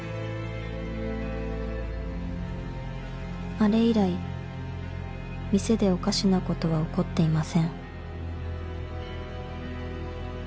［あれ以来店でおかしなことは起こっていません］